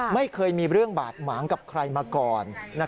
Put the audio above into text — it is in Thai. ไม่เคยมีเรื่องบาดหมางกับใครมาก่อน